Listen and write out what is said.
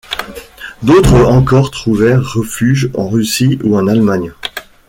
D'autres encore trouvèrent refuge en Russie ou en Allemagne.